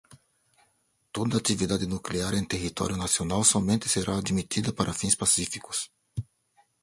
toda atividade nuclear em território nacional somente será admitida para fins pacíficos